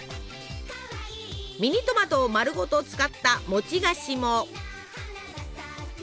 ミニトマトを丸ごと使った餅菓子も！